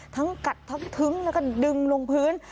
กัดทั้งทึ้งแล้วก็ดึงลงพื้น